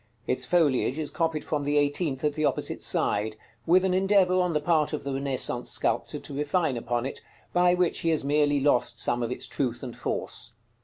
Its foliage is copied from the eighteenth at the opposite side, with an endeavor on the part of the Renaissance sculptor to refine upon it, by which he has merely lost some of its truth and force.